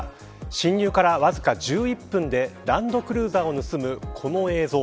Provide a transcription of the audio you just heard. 侵入からわずか１１分でランドクルーザーを盗むこの映像。